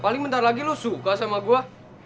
paling mentar lagi lo suka sama gua